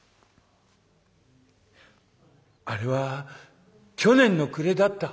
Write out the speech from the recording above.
「あれは去年の暮れだった」。